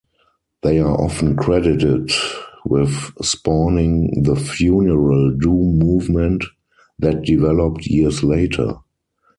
They are often credited with spawning the funeral doom movement that developed years later.